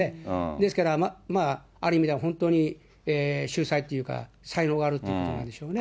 ですからある意味では、本当に秀才っていうか、才能があるということなんでしょうね。